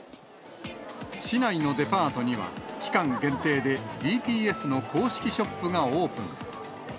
市内のデパートには、期間限定でＢＴＳの公式ショップがオープン。